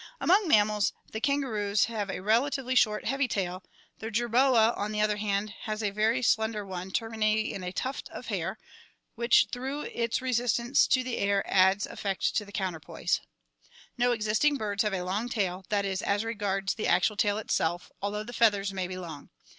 Among mammals the kangaroos have a relatively short, heavy tail, the jerboa on the other hand has a very slender one terminating in a tuft of hair, which through its resistance to the air adds effect to the counter poise. No existing birds have a long tail, that is, as regards the actual tail itself, although the feathers may be long.